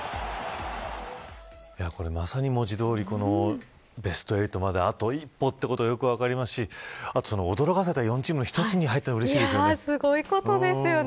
これ、まさに文字どおりベスト８まであと一歩ということはよく分かりますしあと驚かされたのは４チームの一つに入ったのがすごいことですよね